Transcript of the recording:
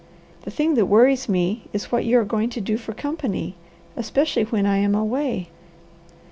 The thing that worries me is what you are going to do for company, especially while I am away."